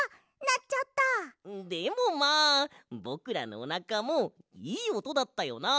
でもまあぼくらのおなかもいいおとだったよな。